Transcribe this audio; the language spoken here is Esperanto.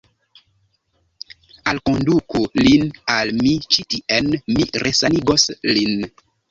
Alkonduku lin al mi ĉi tien; mi resanigos lin.